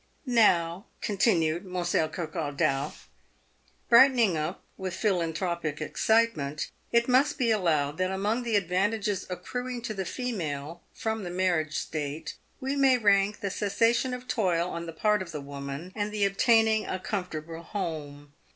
Now," continued Monsieur Coquardau, brightening up with philantropic excitement, " it must be allowed that among the advantages accruing to the female from the marriage state, we may rank the cessation of toil on the part of the wo man, and the obtaining a comfortable home.